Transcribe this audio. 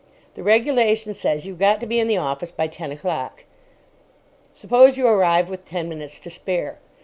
The regulation says you've got to be in the office by ten o'clock. Suppose you arrive with ten minutes to spare.